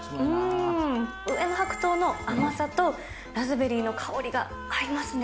上の白桃の甘さと、ラズベリーの香りが合いますね。